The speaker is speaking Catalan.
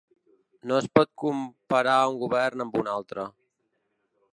No es pot comparar un govern amb un altre.